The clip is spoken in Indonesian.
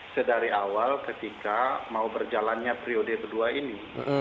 sedari awal ketika mau berjalannya periode kedua ini